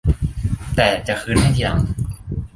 แต่จะคืนให้ทีหลัง